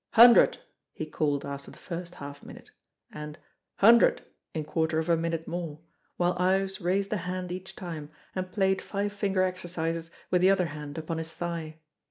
"Hundred!" he called after the first half minute, and "hundred!" in quarter of a minute more, while Ives raised a hand each time and played five finger exercises with the other hand upon his thigh.